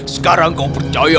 sekarang kau percaya